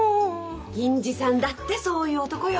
銀次さんだってそういう男よ。